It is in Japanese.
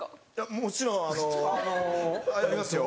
もちろんあのありますよ。